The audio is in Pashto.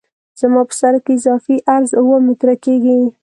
زما په سرک کې اضافي عرض اوه متره کیږي